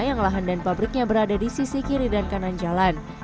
yang lahan dan pabriknya berada di sisi kiri dan kanan jalan